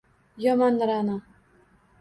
–Yomon, Ra’no.